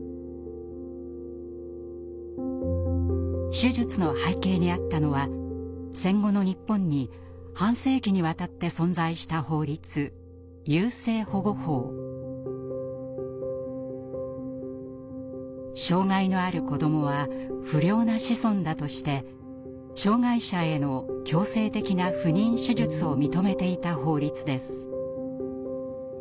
手術の背景にあったのは戦後の日本に半世紀にわたって存在した法律障害のある子どもは「不良な子孫」だとして障害者への強制的な不妊手術を認めていた法律です。